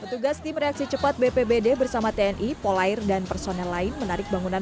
petugas tim reaksi cepat bpbd bersama tni polair dan personel lain menarik bangunan